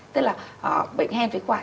tức là bệnh hen phế quản